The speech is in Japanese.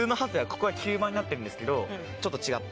になってるんですけどちょっと違って。